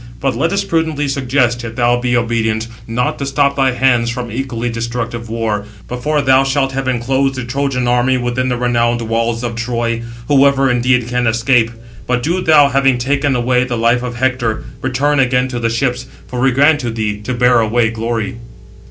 But let us prudently suggest, if thou be obedient, not to stop thy hands from equally destructive war, before thou shalt have enclosed the Trojan army within the renowned walls of Troy, whoever, indeed, can escape: but do thou, having taken away the life of Hector, return again to the ships; for we grant to thee to bear away glory."